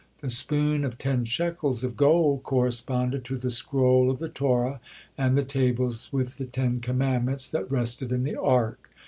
The spoon of ten shekels of gold corresponded to the scroll of the Torah and the tables with the Ten Commandments that rested in the Ark.